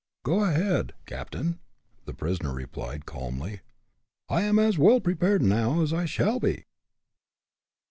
"Go ahead, captain!" the prisoner replied, calmly. "I am as well prepared now, as I shall be."